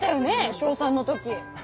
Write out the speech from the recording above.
小３の時。